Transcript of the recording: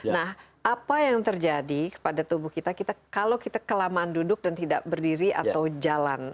nah apa yang terjadi kepada tubuh kita kita kalau kita kelamaan duduk dan tidak berdiri atau jalan